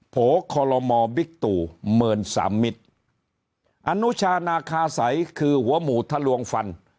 โผล่คอลโลมอบิ๊กตู่เมินสามมิตรอนุชานาคาสัยคือหัวหมู่ทะลวงฟัน